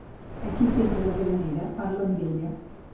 Aquí tens la granera, parla amb ella.